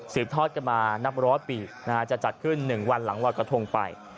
ทอดกันมานับร้อยปีจะจัดขึ้น๑วันหลังรอยกระทงไป